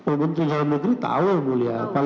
oh menteri dalam negeri tahu yang mulia